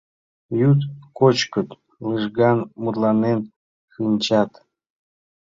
Йӱыт, кочкыт, лыжган мутланен шинчат.